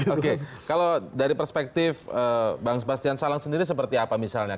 oke kalau dari perspektif bang sebastian salang sendiri seperti apa misalnya